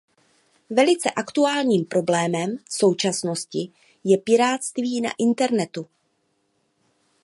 Velice aktuálním problémem současnosti je pirátství na internetu.